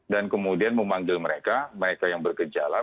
dan kemudian memanggil mereka mereka yang berkejalan